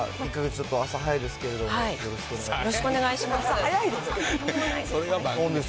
ちょっと朝早いですけど、よろしくお願いします。